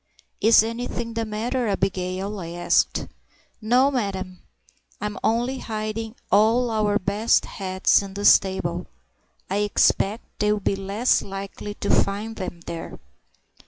"Is anything the matter, Abigail?" I asked. "No'm! I'm only hiding all our best hats in the stable; I expect they'll be less likely to find them there."